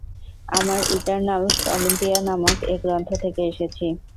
আমরা Eternals, Olympia নামক এক গ্রহ থেকে এসেছি।